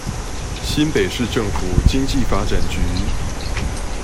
新北市政府經濟發展局